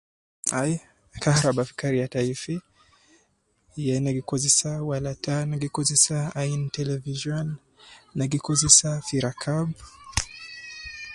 Ai, kaharaba fi kariya tai fi, ye na gi kozesa Wala taalim, ne gi kozesa ayin television ,na gi kozesa fi rakab